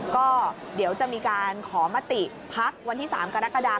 ก็เดี๋ยวจะมีการขอมติพักวันที่๓กรกฎา